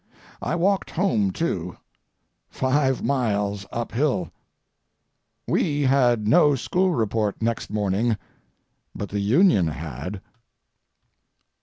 I walked home, too—five miles up hill. We had no school report next morning—but the Union had.